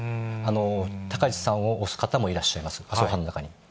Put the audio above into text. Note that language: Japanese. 高市さんを押す方もいらっしゃいます、麻生派の中に。